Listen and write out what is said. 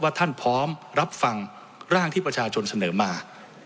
ท่านพร้อมรับฟังร่างที่ประชาชนเสนอมา